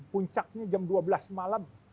puncaknya jam dua belas malam